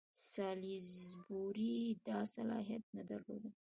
سالیزبوري دا صلاحیت نه درلود.